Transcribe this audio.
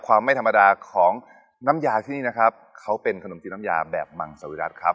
ความไม่ธรรมดาของน้ำยาที่นี่นะครับเขาเป็นขนมจีนน้ำยาแบบมังสวิรัติครับ